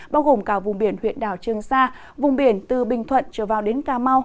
bao gồm cả vùng biển huyện đảo trương sa vùng biển từ bình thuận trở vào đến cà mau